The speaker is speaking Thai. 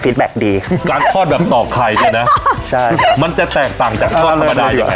กาทอดแบบต่อไข่ใช่ไหมใช่มันจะแตกต่างจากข้อธรรมดาวน์อย่างไร